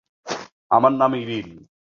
আমার নাম ইরিন।